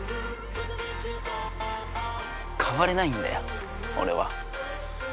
変われないんだよ俺は。